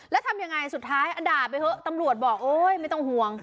แล้วทำยังไงสุดท้ายด่าไปเถอะตำรวจบอกโอ๊ยไม่ต้องห่วง